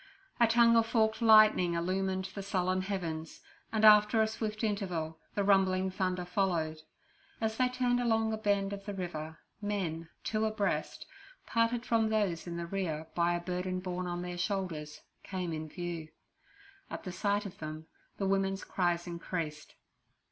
A tongue of forked lightning illumined the sullen heavens, and after a swift interval the rumbling thunder followed. As they turned along a bend of the river, men, two abreast, parted from those in the rear by a burden borne on their shoulders, came in view. At the sight of them the women's cries increased.